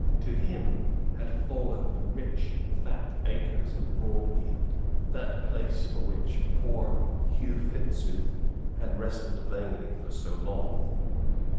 To him had fallen the rich fat acres of Broadweald, that place for which poor Hugh Fitzooth had wrestled vainly for so long.